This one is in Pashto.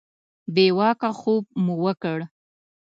بې واکه خوب مو وکړ.